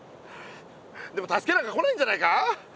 でも助けなんか来ないんじゃないか！